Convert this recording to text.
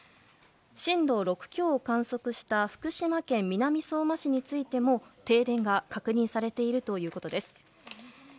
震度６強を観測した福島県南相馬市についても停電が確認されているということです。